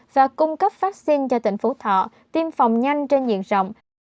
và cung cấp vaccine cho tỉnh phú thọ tiêm phòng nhanh trên diện rộng